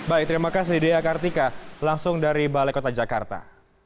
baik terima kasih dea kartika langsung dari balai kota jakarta